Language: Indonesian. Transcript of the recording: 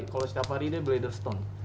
kalau setiap hari ini blader stone